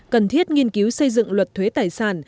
cần thiết nghiên cứu xây dựng luật thuế tài sản